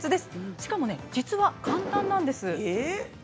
しかも実は簡単なんです。